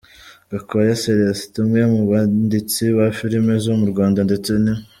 Gakwaya Celestin umwe mu banditsi ba filimi zo mu Rwanda ndetse ni.